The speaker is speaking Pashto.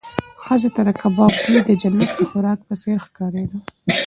ښځې ته د کباب بوی د جنت د خوراک په څېر ښکارېده.